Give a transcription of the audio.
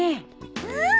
うん。